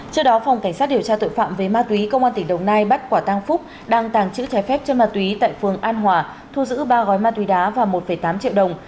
trước đó phòng cảnh sát điều tra tội phạm về ma túy công an tỉnh đồng nai bắt quả tăng phúc đang tàng trữ trái phép cho ma túy tại phường an hòa thu giữ ba gói ma túy đá và một tám triệu đồng